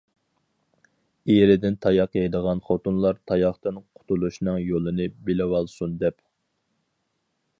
ئېرىدىن تاياق يەيدىغان خوتۇنلار تاياقتىن قۇتۇلۇشنىڭ يولىنى بىلىۋالسۇن دەپ.